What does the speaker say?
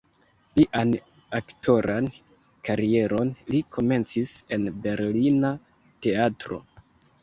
Lian aktoran karieron li komencis en berlina teatro.